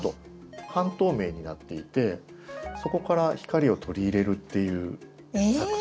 半透明になっていてそこから光を取り入れるっていう作戦を。